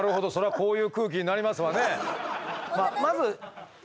こういう空気になりますわね。